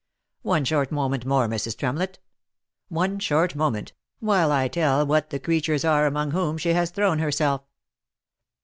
One short moment more, Mrs. Tremlett — one short moment, while I tell what the creatures are among whom she has thrown herself.